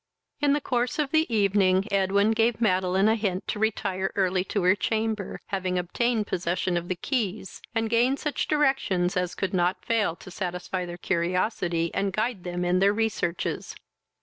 In the course of the evening, Edwin gave Madeline a hint to retire early to her chamber, having obtained possession of the keys, and gained such directions as could not fail to satisfy their curiosity and guide them in their researches.